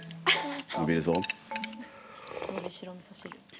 のびるぞ。